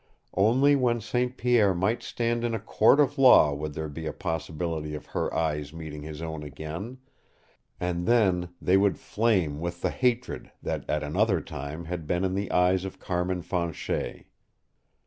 Only when St. Pierre might stand in a court of law would there be a possibility of her eyes meeting his own again, and then they would flame with the hatred that at another time had been in the eyes of Carmin Fanchet.